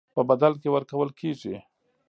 په بدل کې ورکول کېږي.